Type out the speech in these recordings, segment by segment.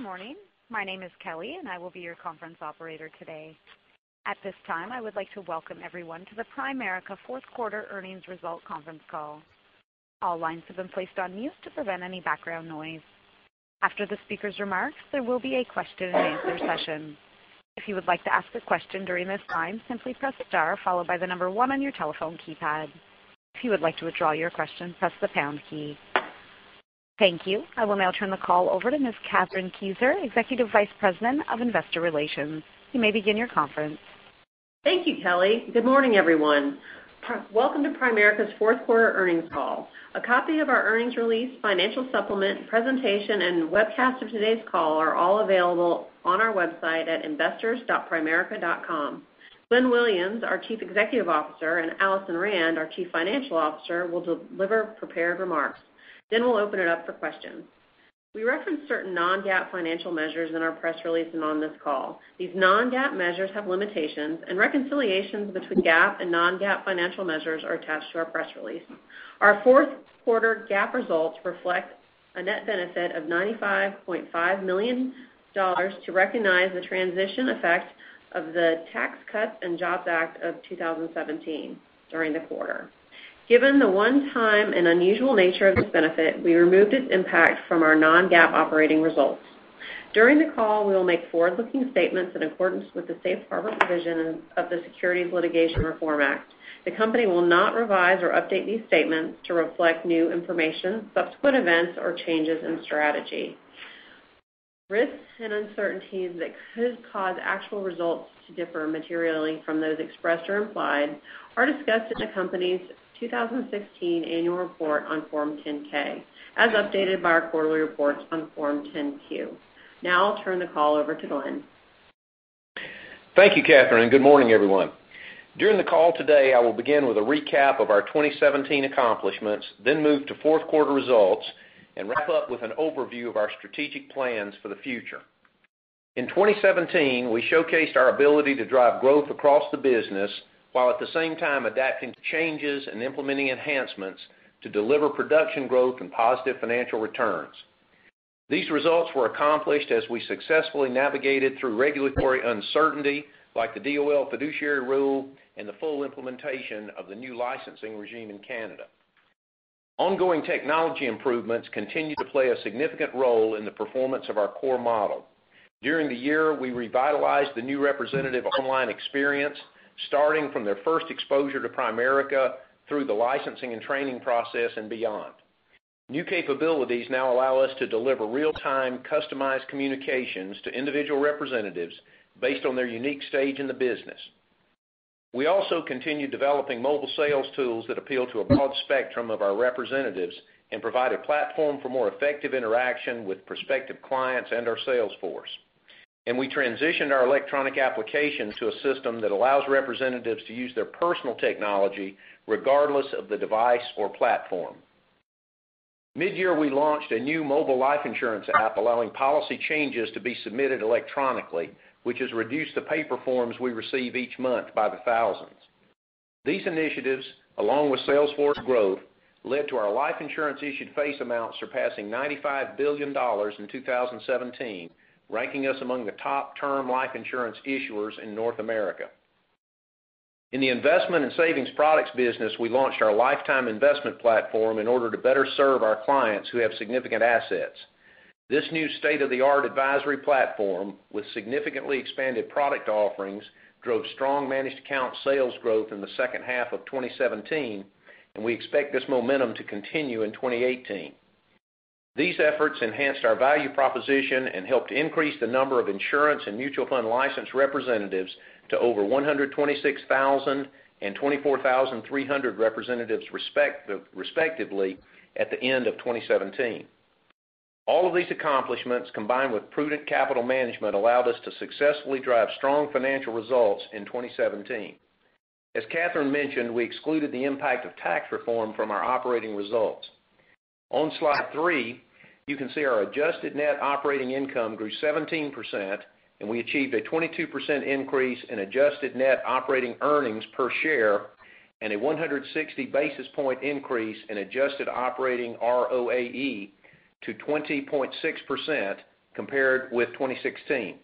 Good morning. My name is Kelly and I will be your conference operator today. At this time, I would like to welcome everyone to the Primerica fourth quarter earnings result conference call. All lines have been placed on mute to prevent any background noise. After the speaker's remarks, there will be a question and answer session. If you would like to ask a question during this time, simply press star, followed by the number 1 on your telephone keypad. If you would like to withdraw your question, press the pound key. Thank you. I will now turn the call over to Ms. Kathryn Kezer, Executive Vice President of Investor Relations. You may begin your conference. Thank you, Kelly. Good morning, everyone. Welcome to Primerica's fourth quarter earnings call. A copy of our earnings release, financial supplement, presentation, and webcast of today's call are all available on our website at investors.primerica.com. Glenn Williams, our Chief Executive Officer, and Alison Rand, our Chief Financial Officer, will deliver prepared remarks. We'll open it up for questions. We reference certain non-GAAP financial measures in our press release and on this call. These non-GAAP measures have limitations, and reconciliations between GAAP and non-GAAP financial measures are attached to our press release. Our fourth quarter GAAP results reflect a net benefit of $95.5 million to recognize the transition effect of the Tax Cuts and Jobs Act of 2017 during the quarter. Given the one-time and unusual nature of this benefit, we removed its impact from our non-GAAP operating results. During the call, we will make forward-looking statements in accordance with the safe harbor provision of the Securities Litigation Reform Act. The company will not revise or update these statements to reflect new information, subsequent events, or changes in strategy. Risks and uncertainties that could cause actual results to differ materially from those expressed or implied are discussed in the company's 2016 annual report on Form 10-K, as updated by our quarterly reports on Form 10-Q. I'll turn the call over to Glenn. Thank you, Kathryn. Good morning, everyone. During the call today, I will begin with a recap of our 2017 accomplishments, move to fourth quarter results, wrap up with an overview of our strategic plans for the future. In 2017, we showcased our ability to drive growth across the business, while at the same time adapting to changes and implementing enhancements to deliver production growth and positive financial returns. These results were accomplished as we successfully navigated through regulatory uncertainty, like the DOL fiduciary rule and the full implementation of the new licensing regime in Canada. Ongoing technology improvements continue to play a significant role in the performance of our core model. During the year, we revitalized the new representative online experience, starting from their first exposure to Primerica through the licensing and training process and beyond. New capabilities now allow us to deliver real-time, customized communications to individual representatives based on their unique stage in the business. We also continue developing mobile sales tools that appeal to a broad spectrum of our representatives and provide a platform for more effective interaction with prospective clients and our sales force. We transitioned our electronic application to a system that allows representatives to use their personal technology regardless of the device or platform. Mid-year, we launched a new mobile life insurance app allowing policy changes to be submitted electronically, which has reduced the paper forms we receive each month by the thousands. These initiatives, along with sales force growth, led to our life insurance issued face amount surpassing $95 billion in 2017, ranking us among the top term life insurance issuers in North America. In the Investment and Savings Products business, we launched our Lifetime Investment Platform in order to better serve our clients who have significant assets. This new state-of-the-art advisory platform, with significantly expanded product offerings, drove strong managed account sales growth in the second half of 2017, and we expect this momentum to continue in 2018. These efforts enhanced our value proposition and helped increase the number of insurance and mutual fund licensed representatives to over 126,000 and 24,300 representatives respectively, at the end of 2017. All of these accomplishments, combined with prudent capital management, allowed us to successfully drive strong financial results in 2017. As Kathryn mentioned, we excluded the impact of tax reform from our operating results. On slide three, you can see our adjusted net operating income grew 17%, and we achieved a 22% increase in adjusted net operating earnings per share and a 160 basis point increase in adjusted operating ROAE to 20.6% compared with 2016.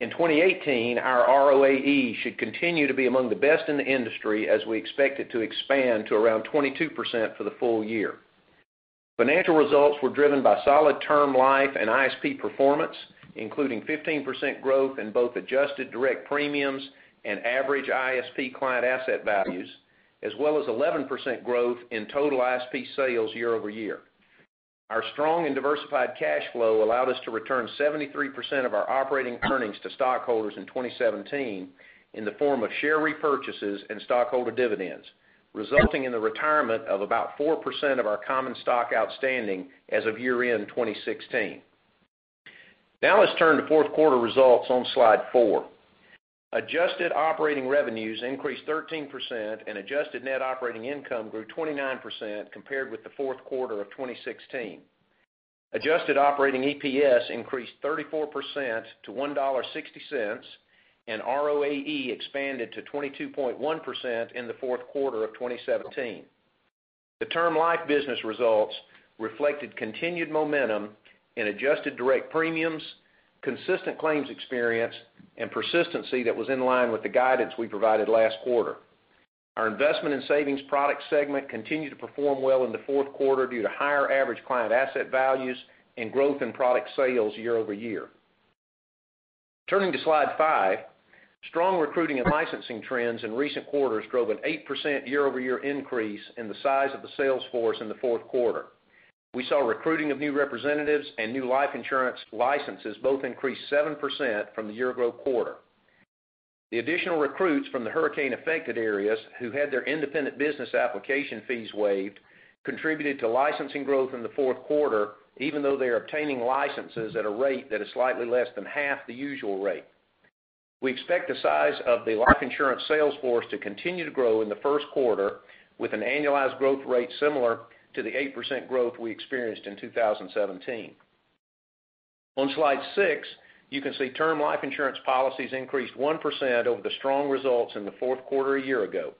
In 2018, our ROAE should continue to be among the best in the industry, as we expect it to expand to around 22% for the full year. Financial results were driven by solid term life and ISP performance, including 15% growth in both adjusted direct premiums and average ISP client asset values, as well as 11% growth in total ISP sales year-over-year. Our strong and diversified cash flow allowed us to return 73% of our operating earnings to stockholders in 2017 in the form of share repurchases and stockholder dividends, resulting in the retirement of about 4% of our common stock outstanding as of year-end 2016. Let's turn to fourth quarter results on slide four. Adjusted operating revenues increased 13% and adjusted net operating income grew 29% compared with the fourth quarter of 2016. Adjusted operating EPS increased 34% to $1.60, and ROAE expanded to 22.1% in the fourth quarter of 2017. The term life business results reflected continued momentum in adjusted direct premiums, consistent claims experience, and persistency that was in line with the guidance we provided last quarter. Our Investment and Savings Products segment continued to perform well in the fourth quarter due to higher average client asset values and growth in product sales year-over-year. Turning to slide five, strong recruiting and licensing trends in recent quarters drove an 8% year-over-year increase in the size of the sales force in the fourth quarter. We saw recruiting of new representatives and new life insurance licenses both increase 7% from the year ago quarter. The additional recruits from the hurricane-affected areas who had their independent business application fees waived contributed to licensing growth in the fourth quarter, even though they're obtaining licenses at a rate that is slightly less than half the usual rate. We expect the size of the life insurance sales force to continue to grow in the first quarter with an annualized growth rate similar to the 8% growth we experienced in 2017. On slide six, you can see Term Life insurance policies increased 1% over the strong results in the fourth quarter a year ago.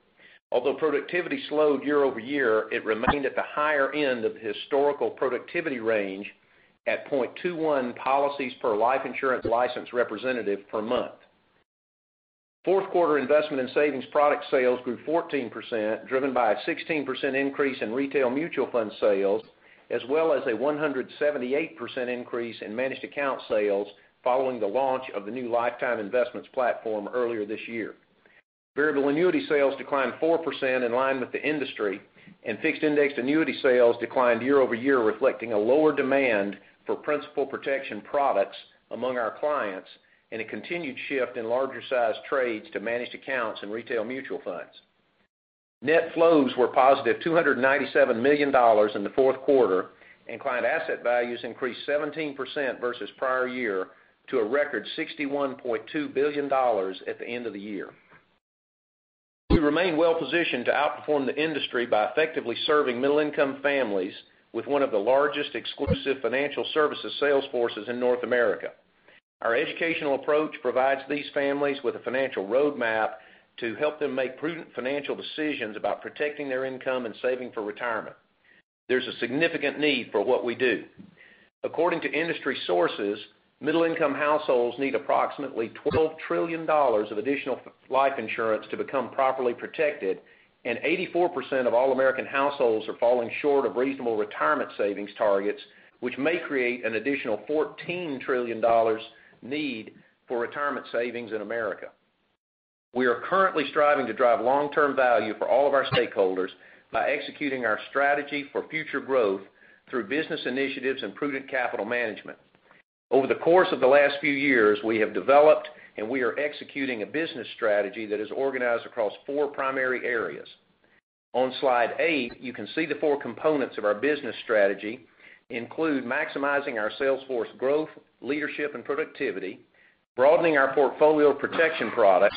Although productivity slowed year-over-year, it remained at the higher end of historical productivity range at 0.21 policies per life insurance licensed representative per month. Fourth quarter Investment and Savings Products sales grew 14%, driven by a 16% increase in retail mutual fund sales, as well as a 178% increase in managed account sales following the launch of the new Lifetime Investments Platform earlier this year. Variable annuity sales declined 4% in line with the industry, and fixed-indexed annuity sales declined year-over-year, reflecting a lower demand for principal protection products among our clients and a continued shift in larger-sized trades to managed accounts and retail mutual funds. Net flows were positive $297 million in the fourth quarter, and client asset values increased 17% versus prior year to a record $61.2 billion at the end of the year. We remain well-positioned to outperform the industry by effectively serving middle-income families with one of the largest exclusive financial services sales forces in North America. Our educational approach provides these families with a financial roadmap to help them make prudent financial decisions about protecting their income and saving for retirement. There's a significant need for what we do. According to industry sources, middle-income households need approximately $12 trillion of additional life insurance to become properly protected, and 84% of all American households are falling short of reasonable retirement savings targets, which may create an additional $14 trillion need for retirement savings in America. We are currently striving to drive long-term value for all of our stakeholders by executing our strategy for future growth through business initiatives and prudent capital management. Over the course of the last few years, we have developed and we are executing a business strategy that is organized across four primary areas. On slide eight, you can see the four components of our business strategy include maximizing our sales force growth, leadership, and productivity, broadening our portfolio of protection products,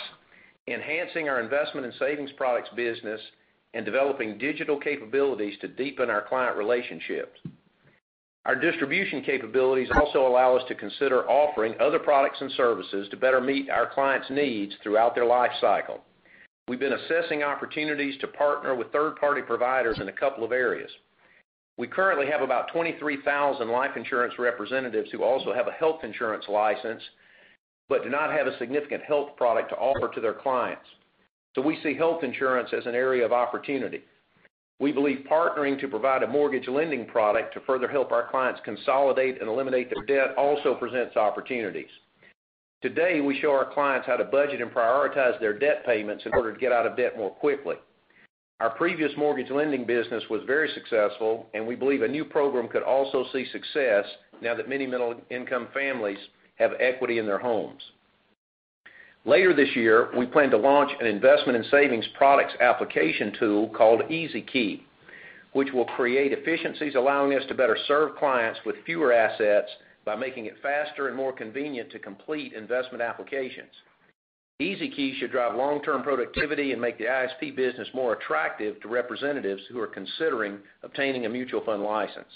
enhancing our Investment and Savings Products business, and developing digital capabilities to deepen our client relationships. Our distribution capabilities also allow us to consider offering other products and services to better meet our clients' needs throughout their life cycle. We've been assessing opportunities to partner with third-party providers in a couple of areas. We currently have about 23,000 life insurance representatives who also have a health insurance license, but do not have a significant health product to offer to their clients. We see health insurance as an area of opportunity. We believe partnering to provide a mortgage lending product to further help our clients consolidate and eliminate their debt also presents opportunities. Today, we show our clients how to budget and prioritize their debt payments in order to get out of debt more quickly. Our previous mortgage lending business was very successful, and we believe a new program could also see success now that many middle-income families have equity in their homes. Later this year, we plan to launch an Investment and Savings Products application tool called EasyKey, which will create efficiencies allowing us to better serve clients with fewer assets by making it faster and more convenient to complete investment applications. EasyKey should drive long-term productivity and make the ISP business more attractive to representatives who are considering obtaining a mutual fund license.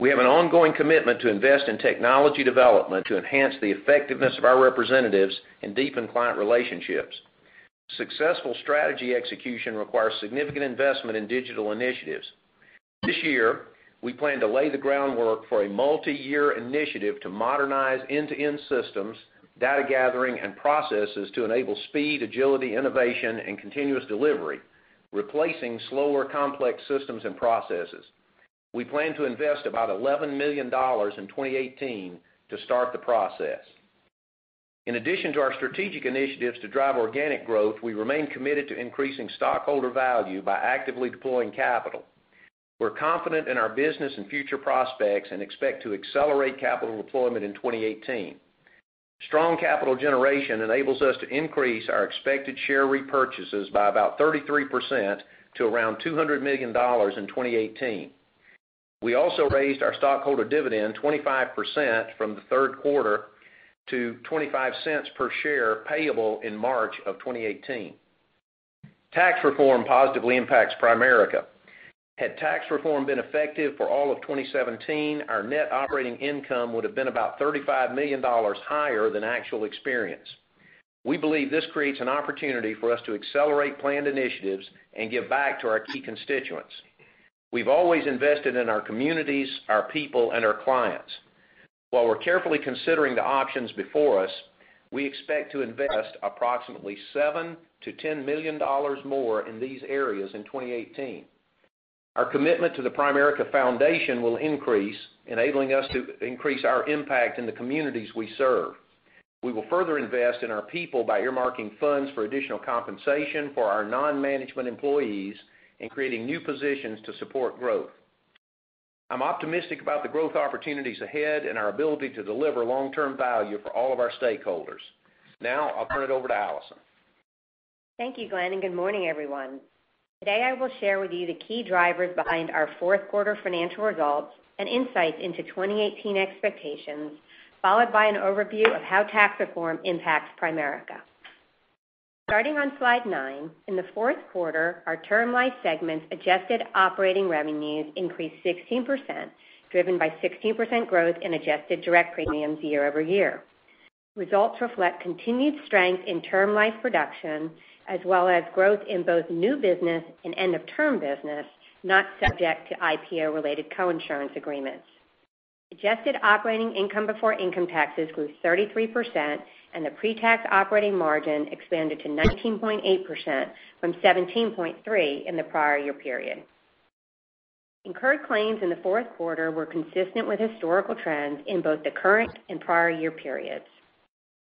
We have an ongoing commitment to invest in technology development to enhance the effectiveness of our representatives and deepen client relationships. Successful strategy execution requires significant investment in digital initiatives. This year, we plan to lay the groundwork for a multi-year initiative to modernize end-to-end systems, data gathering, and processes to enable speed, agility, innovation, and continuous delivery, replacing slower, complex systems and processes. We plan to invest about $11 million in 2018 to start the process. In addition to our strategic initiatives to drive organic growth, we remain committed to increasing stockholder value by actively deploying capital. We're confident in our business and future prospects and expect to accelerate capital deployment in 2018. Strong capital generation enables us to increase our expected share repurchases by about 33% to around $200 million in 2018. We also raised our stockholder dividend 25% from the third quarter to $0.25 per share payable in March of 2018. Tax reform positively impacts Primerica. Had tax reform been effective for all of 2017, our net operating income would have been about $35 million higher than actual experience. We believe this creates an opportunity for us to accelerate planned initiatives and give back to our key constituents. We've always invested in our communities, our people, and our clients. While we're carefully considering the options before us, we expect to invest approximately $7 million-$10 million more in these areas in 2018. Our commitment to The Primerica Foundation will increase, enabling us to increase our impact in the communities we serve. We will further invest in our people by earmarking funds for additional compensation for our non-management employees and creating new positions to support growth. I'm optimistic about the growth opportunities ahead and our ability to deliver long-term value for all of our stakeholders. Now, I'll turn it over to Alison. Thank you, Glenn, and good morning, everyone. Today, I will share with you the key drivers behind our fourth quarter financial results and insights into 2018 expectations, followed by an overview of how tax reform impacts Primerica. Starting on slide nine, in the fourth quarter, our Term Life segment's adjusted operating revenues increased 16%, driven by 16% growth in adjusted direct premiums year-over-year. Results reflect continued strength in Term Life production, as well as growth in both new business and end-of-term business not subject to IPO-related coinsurance agreements. Adjusted operating income before income taxes grew 33%, and the pre-tax operating margin expanded to 19.8% from 17.3% in the prior year period. Incurred claims in the fourth quarter were consistent with historical trends in both the current and prior year periods.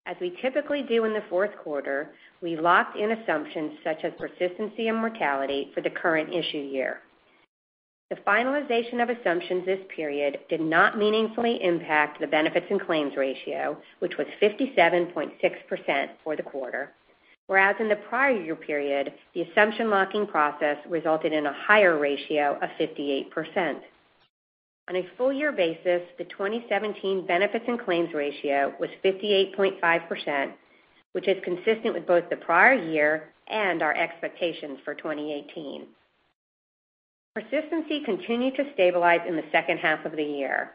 As we typically do in the fourth quarter, we locked in assumptions such as persistency and mortality for the current issue year. The finalization of assumptions this period did not meaningfully impact the benefits and claims ratio, which was 57.6% for the quarter, whereas in the prior year period, the assumption locking process resulted in a higher ratio of 58%. On a full year basis, the 2017 benefits and claims ratio was 58.5%, which is consistent with both the prior year and our expectations for 2018. Persistency continued to stabilize in the second half of the year.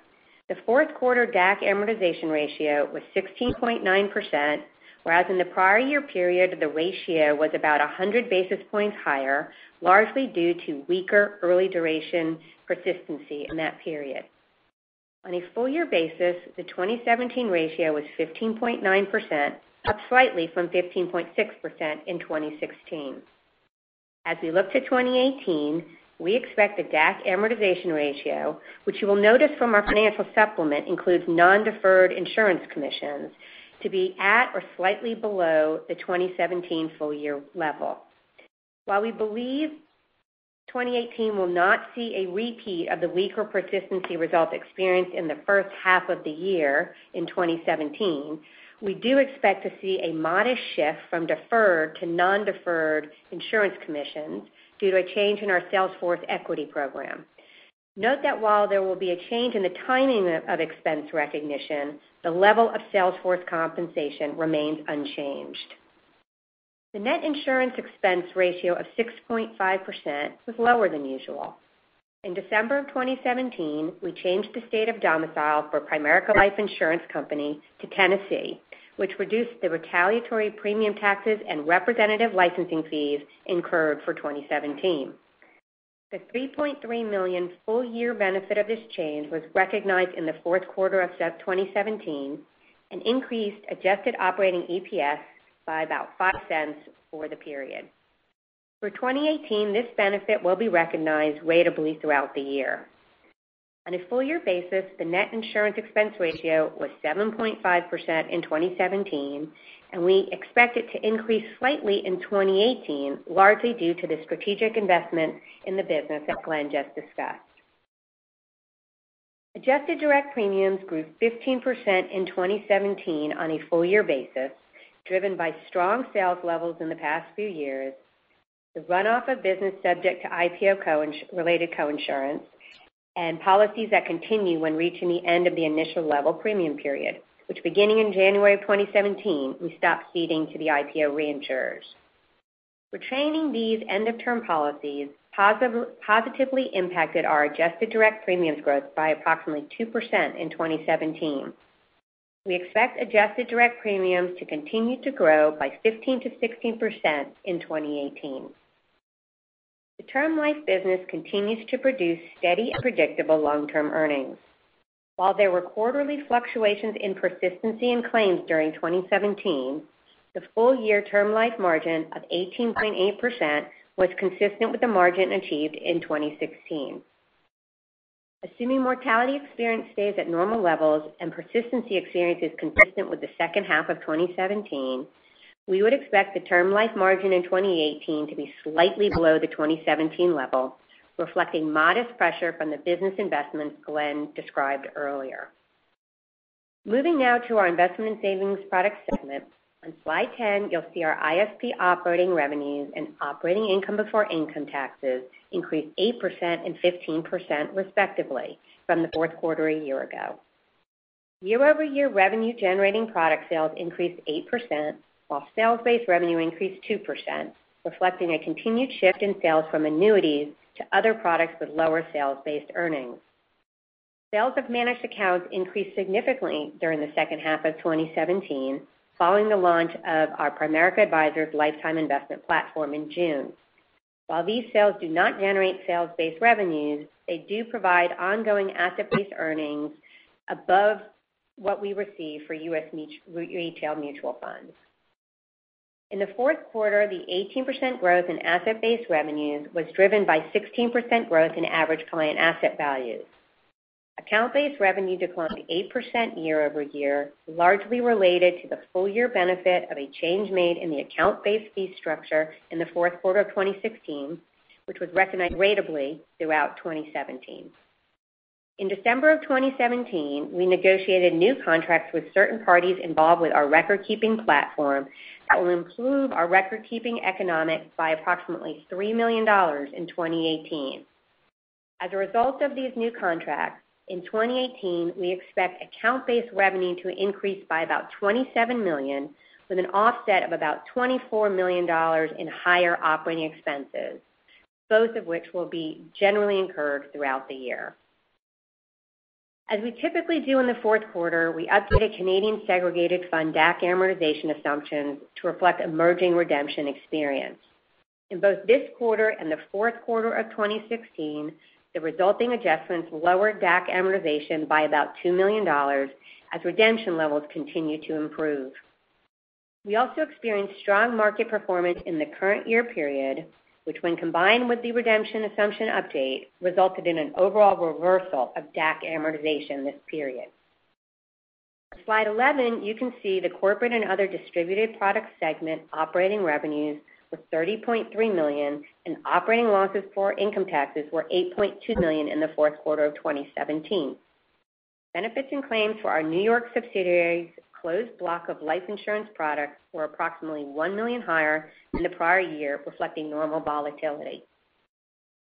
The fourth quarter DAC amortization ratio was 16.9%, whereas in the prior year period, the ratio was about 100 basis points higher, largely due to weaker early duration persistency in that period. On a full year basis, the 2017 ratio was 15.9%, up slightly from 15.6% in 2016. As we look to 2018, we expect the DAC amortization ratio, which you will notice from our financial supplement includes non-deferred insurance commissions, to be at or slightly below the 2017 full year level. While we believe 2018 will not see a repeat of the weaker persistency results experienced in the first half of the year in 2017, we do expect to see a modest shift from deferred to non-deferred insurance commissions due to a change in our sales force equity program. Note that while there will be a change in the timing of expense recognition, the level of sales force compensation remains unchanged. The net insurance expense ratio of 6.5% was lower than usual. In December of 2017, we changed the state of domicile for Primerica Life Insurance Company to Tennessee, which reduced the retaliatory premium taxes and representative licensing fees incurred for 2017. The $3.3 million full year benefit of this change was recognized in the fourth quarter of 2017 and increased adjusted operating EPS by about $0.05 for the period. For 2018, this benefit will be recognized ratably throughout the year. On a full year basis, the net insurance expense ratio was 7.5% in 2017, and we expect it to increase slightly in 2018, largely due to the strategic investment in the business that Glenn just discussed. Adjusted direct premiums grew 15% in 2017 on a full year basis, driven by strong sales levels in the past few years, the runoff of business subject to IPO-related coinsurance, and policies that continue when reaching the end of the initial level premium period, which beginning in January of 2017, we stopped ceding to the IPO reinsurers. Retaining these end-of-term policies positively impacted our adjusted direct premiums growth by approximately 2% in 2017. We expect adjusted direct premiums to continue to grow by 15%-16% in 2018. The Term Life business continues to produce steady and predictable long-term earnings. While there were quarterly fluctuations in persistency and claims during 2017, the full year Term Life margin of 18.8% was consistent with the margin achieved in 2016. Assuming mortality experience stays at normal levels and persistency experience is consistent with the second half of 2017, we would expect the Term Life margin in 2018 to be slightly below the 2017 level, reflecting modest pressure from the business investments Glenn described earlier. Moving now to our Investment and Savings Products segment. On slide 10, you'll see our ISP operating revenues and operating income before income taxes increased 8% and 15%, respectively, from the fourth quarter a year ago. Year-over-year revenue generating product sales increased 8%, while sales-based revenue increased 2%, reflecting a continued shift in sales from annuities to other products with lower sales-based earnings. Sales of managed accounts increased significantly during the second half of 2017, following the launch of our Primerica Advisors Lifetime Investment Platform in June. While these sales do not generate sales-based revenues, they do provide ongoing asset-based earnings above what we receive for US retail mutual funds. In the fourth quarter, the 18% growth in asset-based revenues was driven by 16% growth in average client asset values. Account-based revenue declined 8% year-over-year, largely related to the full-year benefit of a change made in the account-based fee structure in the fourth quarter of 2016, which was recognized ratably throughout 2017. In December of 2017, we negotiated new contracts with certain parties involved with our record-keeping platform that will improve our record-keeping economics by approximately $3 million in 2018. As a result of these new contracts, in 2018, we expect account-based revenue to increase by about $27 million, with an offset of about $24 million in higher operating expenses, both of which will be generally incurred throughout the year. As we typically do in the fourth quarter, we updated Canadian segregated fund DAC amortization assumptions to reflect emerging redemption experience. In both this quarter and the fourth quarter of 2016, the resulting adjustments lowered DAC amortization by about $2 million as redemption levels continue to improve. We also experienced strong market performance in the current year period, which when combined with the redemption assumption update, resulted in an overall reversal of DAC amortization this period. On Slide 11, you can see the Corporate and Other Distributed Products segment operating revenues were $30.3 million and operating losses for income taxes were $8.2 million in the fourth quarter of 2017. Benefits and claims for our New York subsidiary's closed block of life insurance products were approximately $1 million higher than the prior year, reflecting normal volatility.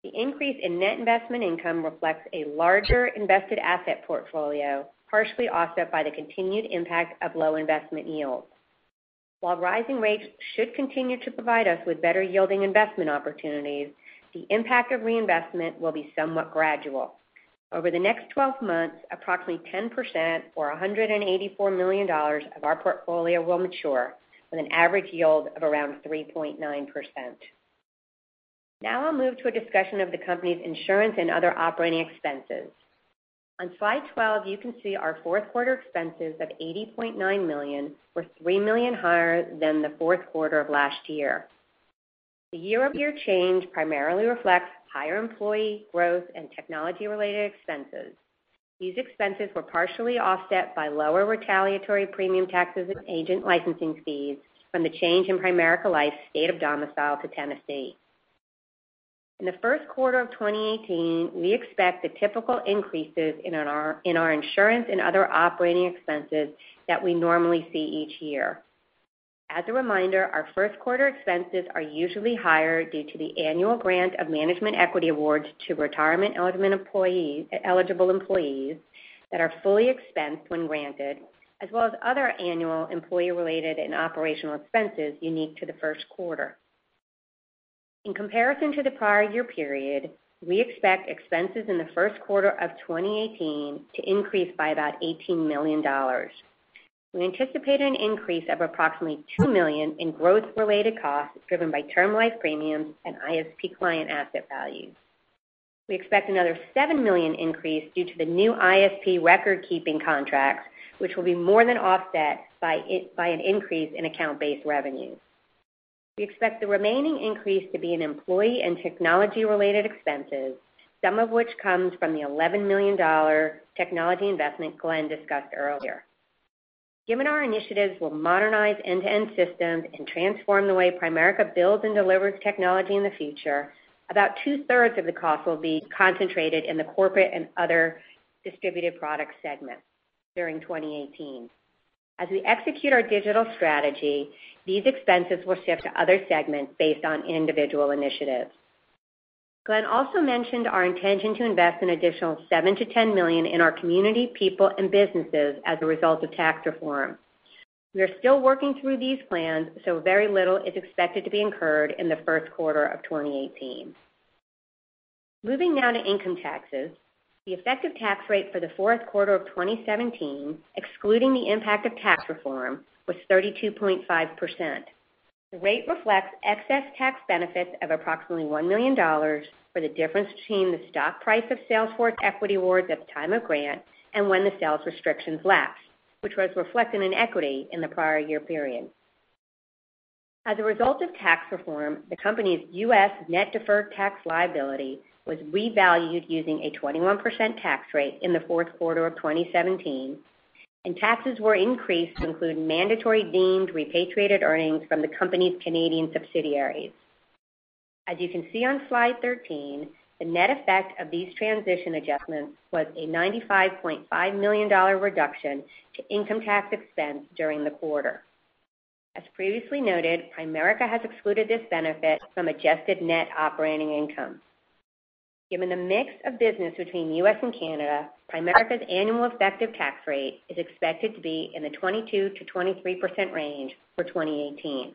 The increase in net investment income reflects a larger invested asset portfolio, partially offset by the continued impact of low investment yields. While rising rates should continue to provide us with better yielding investment opportunities, the impact of reinvestment will be somewhat gradual. Over the next 12 months, approximately 10%, or $184 million of our portfolio will mature with an average yield of around 3.9%. I'll move to a discussion of the company's insurance and other operating expenses. On Slide 12, you can see our fourth quarter expenses of $80.9 million were $3 million higher than the fourth quarter of last year. The year-over-year change primarily reflects higher employee growth and technology-related expenses. These expenses were partially offset by lower retaliatory premium taxes and agent licensing fees from the change in Primerica Life's state of domicile to Tennessee. In the first quarter of 2018, we expect the typical increases in our insurance and other operating expenses that we normally see each year. As a reminder, our first quarter expenses are usually higher due to the annual grant of management equity awards to retirement-eligible employees that are fully expensed when granted, as well as other annual employee-related and operational expenses unique to the first quarter. In comparison to the prior year period, we expect expenses in the first quarter of 2018 to increase by about $18 million. We anticipate an increase of approximately $2 million in growth-related costs driven by Term Life premiums and ISP client asset values. We expect another $7 million increase due to the new ISP record-keeping contracts, which will be more than offset by an increase in account-based revenues. We expect the remaining increase to be in employee and technology-related expenses, some of which comes from the $11 million technology investment Glenn discussed earlier. Given our initiatives will modernize end-to-end systems and transform the way Primerica builds and delivers technology in the future, about two-thirds of the cost will be concentrated in the Corporate and Other Distributed Products segment during 2018. As we execute our digital strategy, these expenses will shift to other segments based on individual initiatives. Glenn also mentioned our intention to invest an additional $7 million to $10 million in our community, people and businesses as a result of tax reform. We are still working through these plans, very little is expected to be incurred in the first quarter of 2018. Moving now to income taxes. The effective tax rate for the fourth quarter of 2017, excluding the impact of tax reform, was 32.5%. The rate reflects excess tax benefits of approximately $1 million for the difference between the stock price of sales force equity awards at the time of grant and when the sales restrictions lapsed, which was reflected in equity in the prior year period. As a result of tax reform, the company's U.S. net deferred tax liability was revalued using a 21% tax rate in the fourth quarter of 2017, and taxes were increased to include mandatory deemed repatriated earnings from the company's Canadian subsidiaries. As you can see on Slide 13, the net effect of these transition adjustments was a $95.5 million reduction to income tax expense during the quarter. As previously noted, Primerica has excluded this benefit from adjusted net operating income. Given the mix of business between U.S. and Canada, Primerica's annual effective tax rate is expected to be in the 22%-23% range for 2018.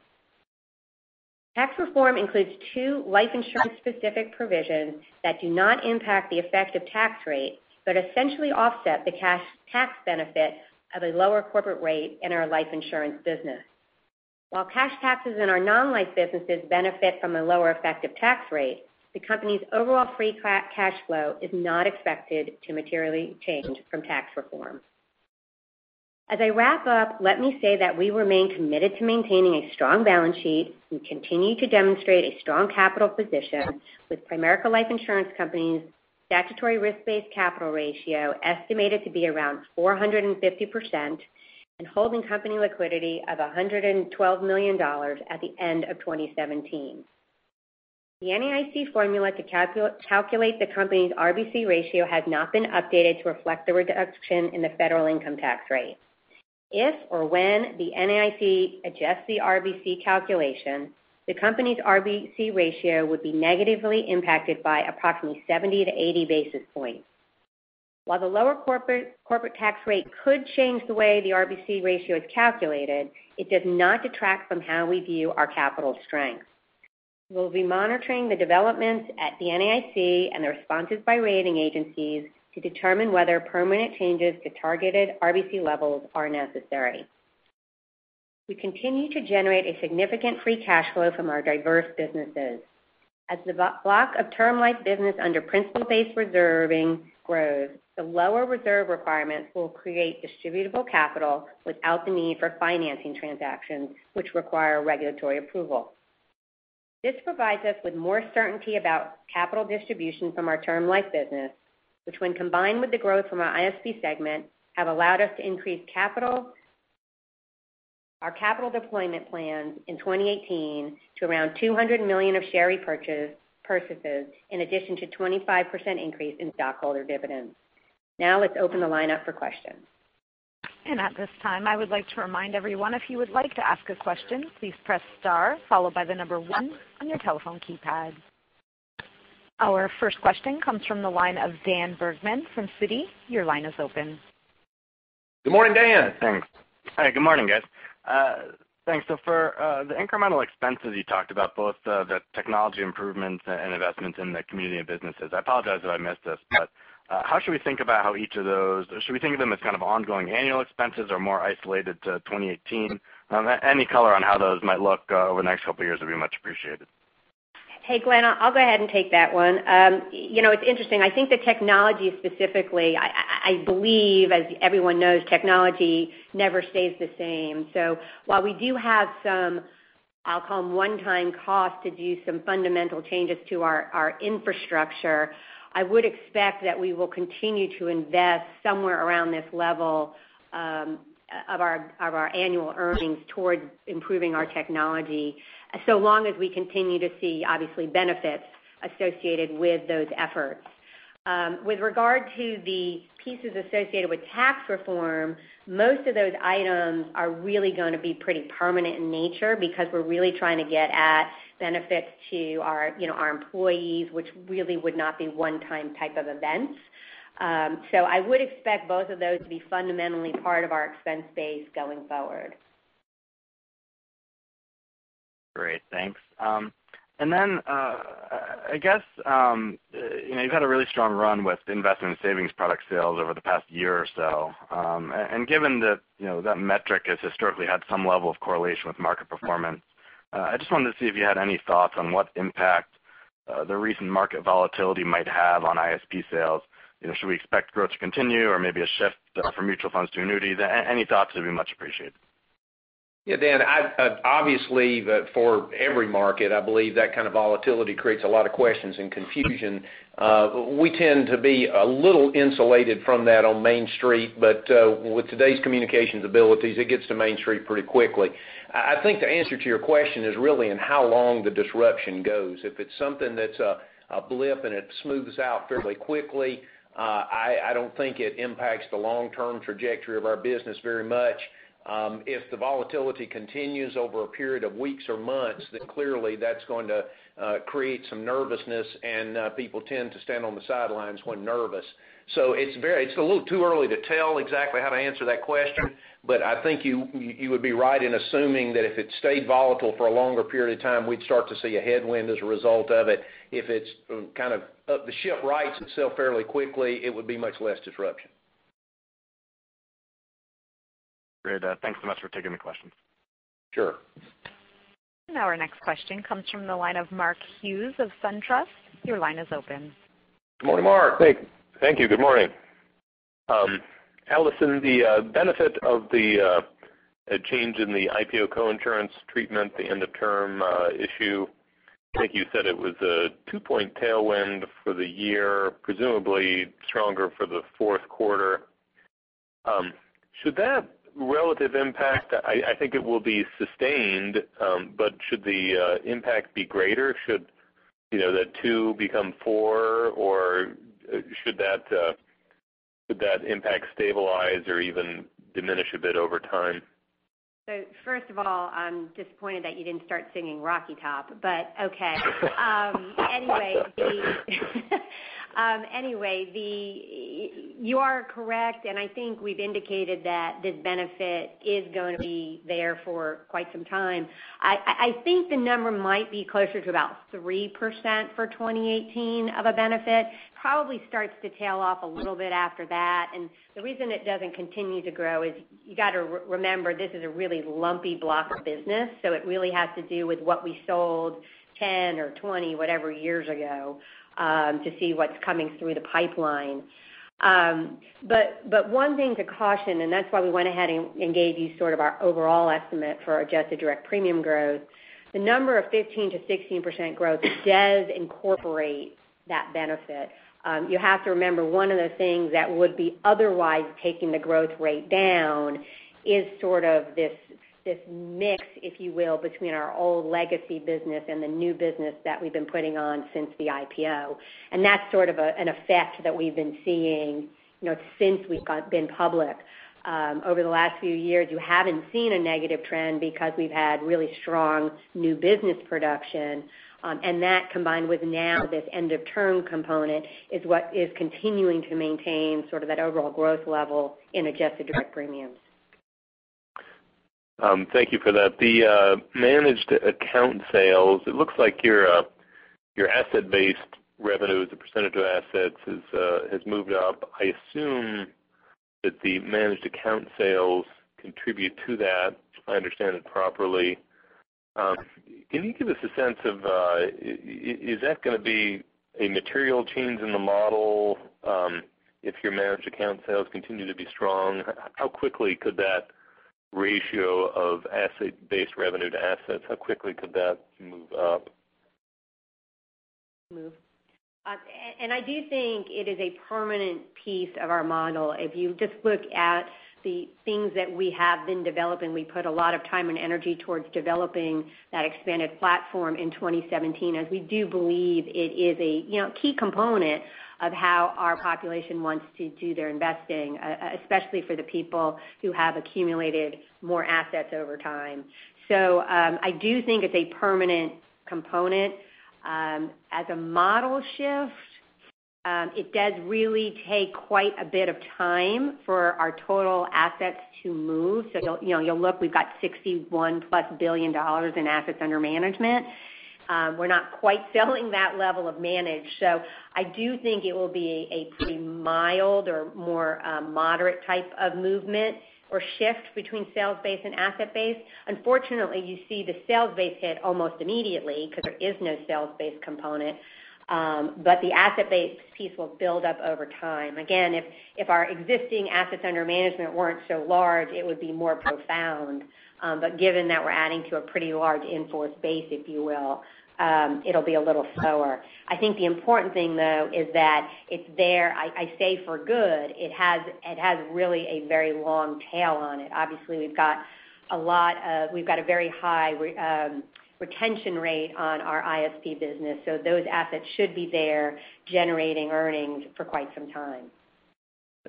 Tax reform includes two life insurance specific provisions that do not impact the effective tax rate, essentially offset the cash tax benefit of a lower corporate rate in our life insurance business. While cash taxes in our non-life businesses benefit from a lower effective tax rate, the company's overall free cash flow is not expected to materially change from tax reform. As I wrap up, let me say that we remain committed to maintaining a strong balance sheet and continue to demonstrate a strong capital position with Primerica Life Insurance Company's statutory risk-based capital ratio estimated to be around 450% and holding company liquidity of $112 million at the end of 2017. The NAIC formula to calculate the company's RBC ratio has not been updated to reflect the reduction in the federal income tax rate. If or when the NAIC adjusts the RBC calculation, the company's RBC ratio would be negatively impacted by approximately 70 to 80 basis points. While the lower corporate tax rate could change the way the RBC ratio is calculated, it does not detract from how we view our capital strength. We'll be monitoring the developments at the NAIC and the responses by rating agencies to determine whether permanent changes to targeted RBC levels are necessary. We continue to generate a significant free cash flow from our diverse businesses. As the block of Term Life business under Principle-Based Reserving grows, the lower reserve requirements will create distributable capital without the need for financing transactions, which require regulatory approval. This provides us with more certainty about capital distribution from our Term Life business, which when combined with the growth from our ISP segment, have allowed us to increase our capital deployment plans in 2018 to around $200 million of share repurchases in addition to 25% increase in stockholder dividends. Now let's open the line up for questions. At this time, I would like to remind everyone, if you would like to ask a question, please press star followed by the number 1 on your telephone keypad. Our first question comes from the line of Daniel Bergman from Citi. Your line is open. Good morning, Dan. Thanks. Hi, good morning, guys. Thanks. For the incremental expenses you talked about, both the technology improvements and investments in the community and businesses. I apologize if I missed this, but how should we think about how each of those, should we think of them as kind of ongoing annual expenses or more isolated to 2018? Any color on how those might look over the next couple of years would be much appreciated. Hey, Glenn, I'll go ahead and take that one. It's interesting. I think the technology specifically, I believe, as everyone knows, technology never stays the same. While we do have some, I'll call them one-time costs to do some fundamental changes to our infrastructure, I would expect that we will continue to invest somewhere around this level of our annual earnings towards improving our technology, so long as we continue to see, obviously, benefits associated with those efforts. With regard to the pieces associated with tax reform, most of those items are really going to be pretty permanent in nature because we're really trying to get at benefits to our employees, which really would not be one time type of events. I would expect both of those to be fundamentally part of our expense base going forward. Great. Thanks. Then, you've had a really strong run with Investment and Savings Products sales over the past year or so. Given that metric has historically had some level of correlation with market performance, I just wanted to see if you had any thoughts on what impact the recent market volatility might have on ISP sales. Should we expect growth to continue or maybe a shift from mutual funds to annuities? Any thoughts would be much appreciated. Dan, obviously, for every market, I believe that kind of volatility creates a lot of questions and confusion. We tend to be a little insulated from that on Main Street, but with today's communications abilities, it gets to Main Street pretty quickly. I think the answer to your question is really in how long the disruption goes. If it's something that's a blip and it smooths out fairly quickly, I don't think it impacts the long-term trajectory of our business very much. If the volatility continues over a period of weeks or months, clearly that's going to create some nervousness and people tend to stand on the sidelines when nervous. It's a little too early to tell exactly how to answer that question, but I think you would be right in assuming that if it stayed volatile for a longer period of time, we'd start to see a headwind as a result of it. If the ship rights itself fairly quickly, it would be much less disruption. Great. Thanks so much for taking the question. Sure. Our next question comes from the line of Mark Hughes of SunTrust. Your line is open. Good morning, Mark. Thank you. Good morning. Alison, the benefit of the change in the IPO coinsurance treatment, the end of term issue, I think you said it was a two-point tailwind for the year, presumably stronger for the fourth quarter. Should that relative impact, I think it will be sustained, but should the impact be greater? Should the two become four, or should that impact stabilize or even diminish a bit over time? First of all, I'm disappointed that you didn't start singing Rocky Top, okay. You are correct, and I think we've indicated that this benefit is going to be there for quite some time. I think the number might be closer to about 3% for 2018 of a benefit. Probably starts to tail off a little bit after that. The reason it doesn't continue to grow is you got to remember this is a really lumpy block of business, so it really has to do with what we sold 10 or 20, whatever years ago, to see what's coming through the pipeline. One thing to caution, and that's why we went ahead and gave you sort of our overall estimate for adjusted direct premium growth. The number of 15%-16% growth does incorporate that benefit. You have to remember, one of the things that would be otherwise taking the growth rate down is sort of this mix, if you will, between our old legacy business and the new business that we've been putting on since the IPO. That's sort of an effect that we've been seeing since we've been public. Over the last few years, you haven't seen a negative trend because we've had really strong new business production. That, combined with now this end-of-term component, is what is continuing to maintain sort of that overall growth level in adjusted direct premiums. Thank you for that. The managed account sales, it looks like your asset-based revenue as a percentage of assets has moved up. I assume that the managed account sales contribute to that, if I understand it properly. Can you give us a sense of, is that going to be a material change in the model if your managed account sales continue to be strong? How quickly could that ratio of asset-based revenue to assets, how quickly could that move up? Move. I do think it is a permanent piece of our model. If you just look at the things that we have been developing, we put a lot of time and energy towards developing that expanded platform in 2017, as we do believe it is a key component of how our population wants to do their investing, especially for the people who have accumulated more assets over time. I do think it's a permanent component. As a model shift, it does really take quite a bit of time for our total assets to move. You'll look, we've got $61-plus billion in assets under management. We're not quite selling that level of managed. I do think it will be a pretty mild or more moderate type of movement or shift between sales-based and asset-based. Unfortunately, you see the sales-based hit almost immediately because there is no sales-based component. The asset-based piece will build up over time. Again, if our existing assets under management weren't so large, it would be more profound. Given that we are adding to a pretty large in-force base, if you will, it will be a little slower. I think the important thing, though, is that it is there, I say for good. It has really a very long tail on it. Obviously, we have got a very high retention rate on our ISP business, so those assets should be there generating earnings for quite some time.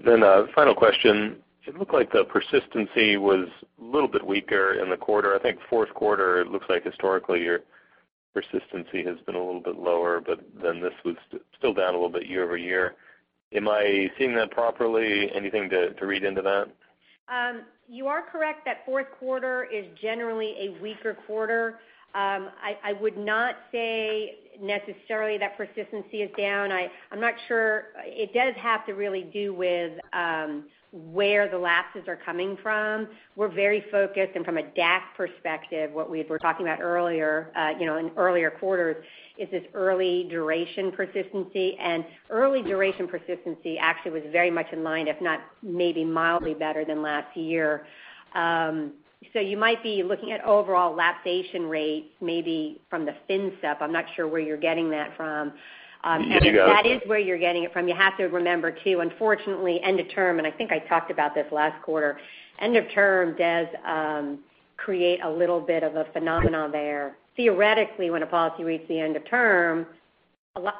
A final question. It looked like the persistency was a little bit weaker in the quarter. I think fourth quarter, it looks like historically your persistency has been a little bit lower, this was still down a little bit year-over-year. Am I seeing that properly? Anything to read into that? You are correct that fourth quarter is generally a weaker quarter. I would not say necessarily that persistency is down. I am not sure. It does have to really do with where the lapses are coming from. We are very focused, from a DAC perspective, what we were talking about in earlier quarters is this early duration persistency. Early duration persistency actually was very much in line, if not, maybe mildly better than last year. You might be looking at overall lapsation rates, maybe from the FinSup. I am not sure where you are getting that from. Yeah. If that is where you are getting it from, you have to remember too, unfortunately, end of term, I think I talked about this last quarter, end of term does create a little bit of a phenomenon there. Theoretically, when a policy reaches the end of term,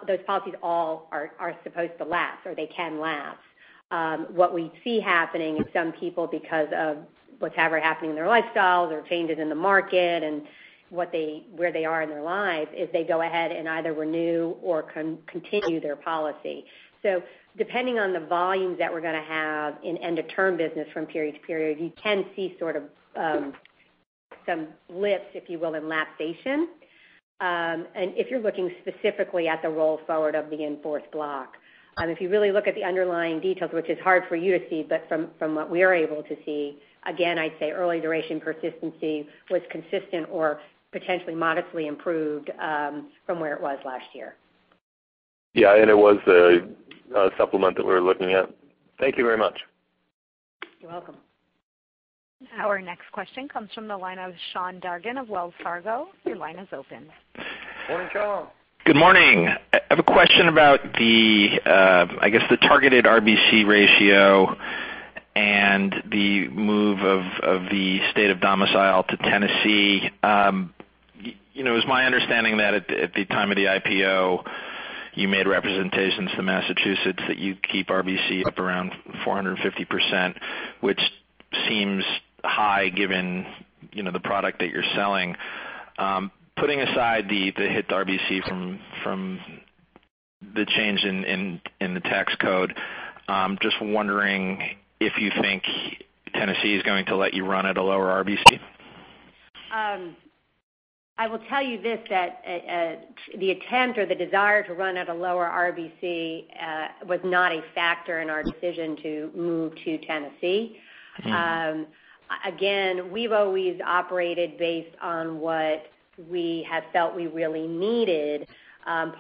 those policies all are supposed to lapse, or they can lapse. What we see happening is some people, because of whatever happening in their lifestyles or changes in the market and where they are in their lives, is they go ahead and either renew or continue their policy. Depending on the volumes that we are going to have in end of term business from period to period, you can see sort of some lifts, if you will, in lapsation. If you are looking specifically at the roll forward of the in-force block. If you really look at the underlying details, which is hard for you to see, but from what we are able to see, again, I'd say early duration persistency was consistent or potentially modestly improved from where it was last year. Yeah, it was the supplement that we were looking at. Thank you very much. You're welcome. Our next question comes from the line of Sean Dargan of Wells Fargo. Your line is open. Morning, Sean. Good morning. I have a question about the, I guess the targeted RBC ratio and the move of the state of domicile to Tennessee. It was my understanding that at the time of the IPO, you made representations to Massachusetts that you'd keep RBC up around 450%, which, seems high given the product that you're selling. Putting aside the hit to RBC from the change in the tax code, just wondering if you think Tennessee is going to let you run at a lower RBC? I will tell you this, that the attempt or the desire to run at a lower RBC was not a factor in our decision to move to Tennessee. We've always operated based on what we have felt we really needed.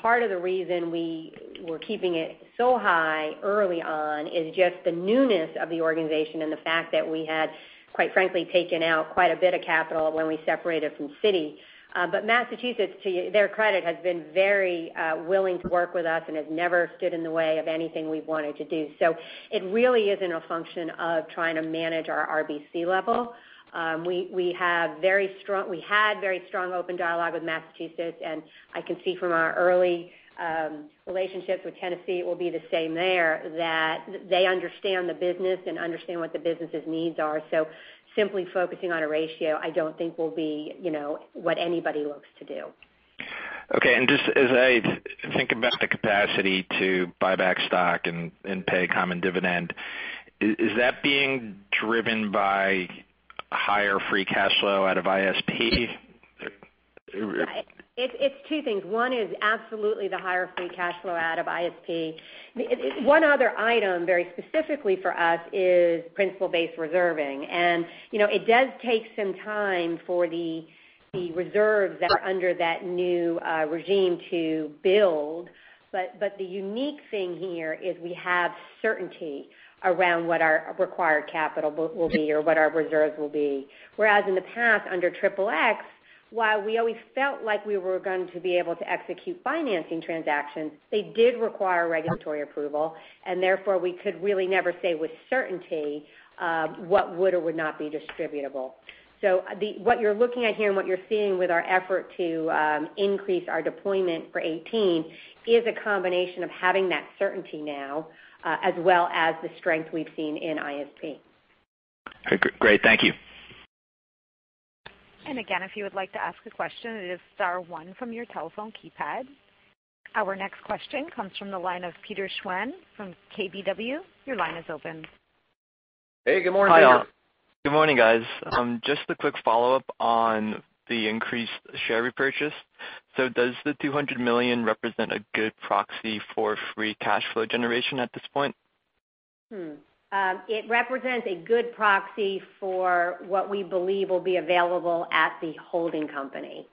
Part of the reason we were keeping it so high early on is just the newness of the organization and the fact that we had, quite frankly, taken out quite a bit of capital when we separated from Citi. Massachusetts, to their credit, has been very willing to work with us and has never stood in the way of anything we've wanted to do. It really isn't a function of trying to manage our RBC level. We had very strong open dialogue with Massachusetts, and I can see from our early relationships with Tennessee, it will be the same there, that they understand the business and understand what the business's needs are. Simply focusing on a ratio, I don't think will be what anybody looks to do. Okay, just as I think about the capacity to buy back stock and pay common dividend, is that being driven by higher free cash flow out of ISP? It's two things. One is absolutely the higher free cash flow out of ISP. One other item very specifically for us is Principle-Based Reserving. It does take some time for the reserves that are under that new regime to build. The unique thing here is we have certainty around what our required capital will be or what our reserves will be. Whereas in the past, under XXX, while we always felt like we were going to be able to execute financing transactions, they did require regulatory approval, and therefore we could really never say with certainty what would or would not be distributable. What you're looking at here and what you're seeing with our effort to increase our deployment for 2018 is a combination of having that certainty now as well as the strength we've seen in ISP. Great. Thank you. If you would like to ask a question, it is star one from your telephone keypad. Our next question comes from the line of Peter Schwinn from KBW. Your line is open. Hey, good morning. Hi, good morning, guys. Just a quick follow-up on the increased share repurchase. Does the $200 million represent a good proxy for free cash flow generation at this point? It represents a good proxy for what we believe will be available at the holding company.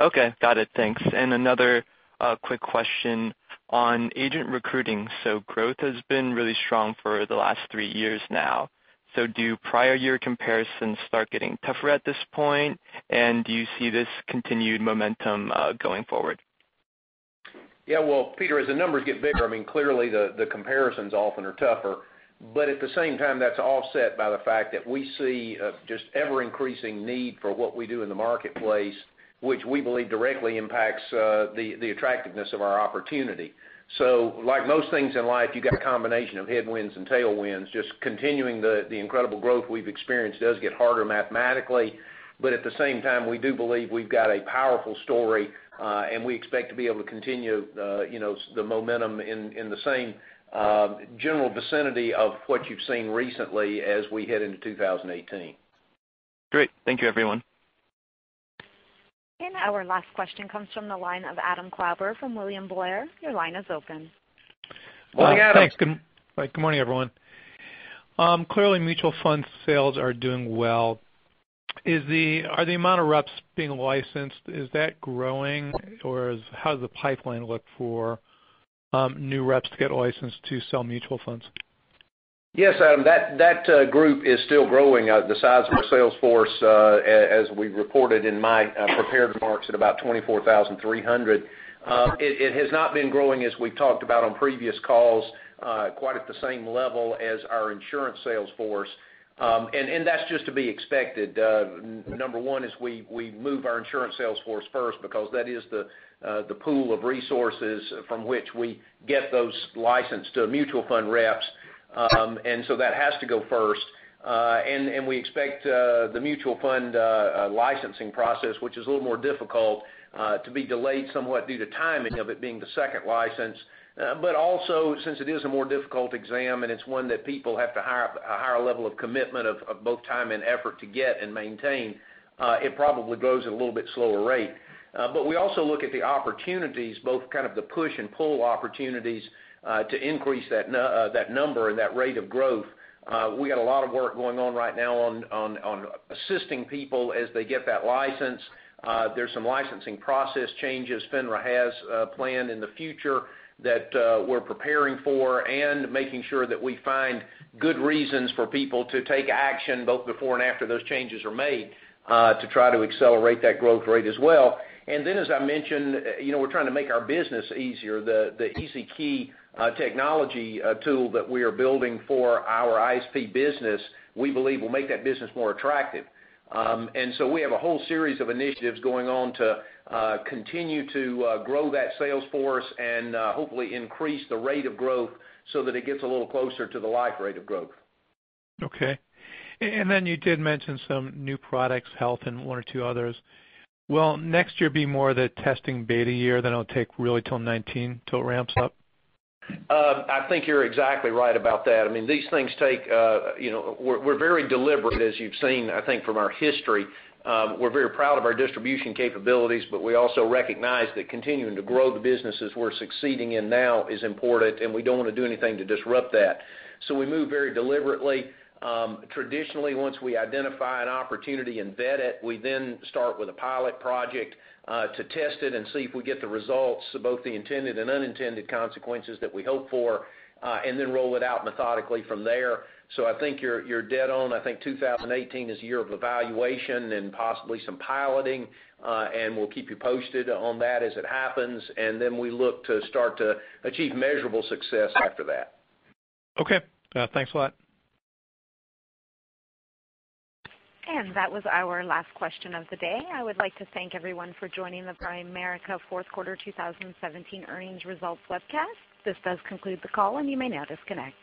Okay, got it. Thanks. Another quick question on agent recruiting. Growth has been really strong for the last three years now. Do prior year comparisons start getting tougher at this point? Do you see this continued momentum going forward? Yeah, well, Peter, as the numbers get bigger, clearly the comparisons often are tougher. At the same time, that's offset by the fact that we see just ever-increasing need for what we do in the marketplace, which we believe directly impacts the attractiveness of our opportunity. Like most things in life, you got a combination of headwinds and tailwinds. Just continuing the incredible growth we've experienced does get harder mathematically, at the same time, we do believe we've got a powerful story, and we expect to be able to continue the momentum in the same general vicinity of what you've seen recently as we head into 2018. Great. Thank you, everyone. Our last question comes from the line of Adam Klauber from William Blair. Your line is open. Good morning, Adam. Thanks. Good morning, everyone. Clearly, mutual fund sales are doing well. Are the amount of reps being licensed, is that growing, or how does the pipeline look for new reps to get licensed to sell mutual funds? Yes, Adam, that group is still growing. The size of our sales force, as we reported in my prepared remarks, at about 24,300. It has not been growing, as we've talked about on previous calls, quite at the same level as our insurance sales force. That's just to be expected. Number one is we move our insurance sales force first because that is the pool of resources from which we get those licensed mutual fund reps. So that has to go first. We expect the mutual fund licensing process, which is a little more difficult, to be delayed somewhat due to timing of it being the second license. Also, since it is a more difficult exam, and it's one that people have to have a higher level of commitment of both time and effort to get and maintain, it probably grows at a little bit slower rate. We also look at the opportunities, both kind of the push and pull opportunities, to increase that number and that rate of growth. We got a lot of work going on right now on assisting people as they get that license. There's some licensing process changes FINRA has planned in the future that we're preparing for and making sure that we find good reasons for people to take action both before and after those changes are made to try to accelerate that growth rate as well. Then, as I mentioned, we're trying to make our business easier. The easyKEY technology tool that we are building for our ISP business, we believe will make that business more attractive. We have a whole series of initiatives going on to continue to grow that sales force and hopefully increase the rate of growth so that it gets a little closer to the life rate of growth. Okay. You did mention some new products, health and one or two others. Will next year be more the testing beta year, then it'll take really till 2019 till it ramps up? I think you're exactly right about that. These things take. We're very deliberate, as you've seen, I think, from our history. We're very proud of our distribution capabilities, but we also recognize that continuing to grow the businesses we're succeeding in now is important, and we don't want to do anything to disrupt that. We move very deliberately. Traditionally, once we identify an opportunity and vet it, we then start with a pilot project to test it and see if we get the results of both the intended and unintended consequences that we hope for, roll it out methodically from there. I think you're dead on. I think 2018 is a year of evaluation and possibly some piloting, and we'll keep you posted on that as it happens, we look to start to achieve measurable success after that. Okay. Thanks a lot. That was our last question of the day. I would like to thank everyone for joining the Primerica Fourth Quarter 2017 Earnings Results Webcast. This does conclude the call, and you may now disconnect.